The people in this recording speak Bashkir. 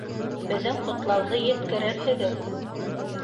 Беҙҙең ҡотлауҙы еткерерһегеҙ